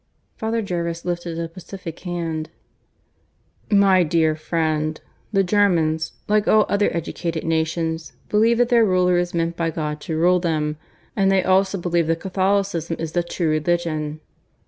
Father Jervis lifted a pacific hand. "My dear friend, the Germans like all other educated nations believe that their ruler is meant by God to rule them. And they also believe that Catholicism is the true religion.